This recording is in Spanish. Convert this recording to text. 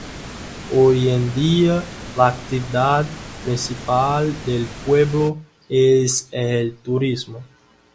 Hoy en día la actividad principal del pueblo es el turismo.